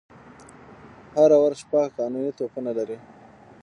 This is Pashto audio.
هر آور شپږ قانوني توپونه لري.